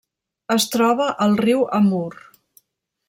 Es troba al riu Amur.